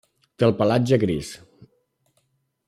Té el pelatge gris.